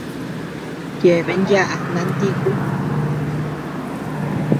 Yeabean yaʼa lantíku.